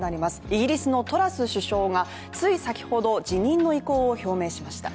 イギリスのトラス首相がつい先ほど辞任の意向を表明しました。